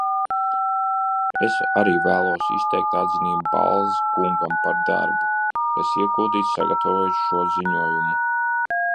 Es arī vēlos izteikt atzinību Balz kungam par darbu, kas ieguldīts, sagatavojot šo ziņojumu.